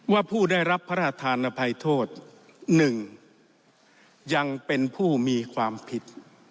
ผู้ได้รับพระราชธานภัยโทษ๑ยังเป็นผู้มีความผิด